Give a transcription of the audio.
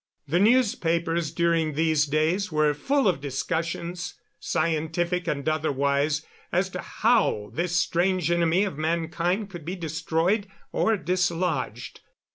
The newspapers during these days were full of discussions scientific and otherwise as to how this strange enemy of mankind could be destroyed or dislodged.